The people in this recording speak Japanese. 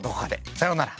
さようなら。